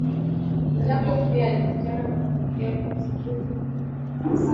Jacob alipiga hatua kuelekea kwenye lile sanduku alipolikaribia alisita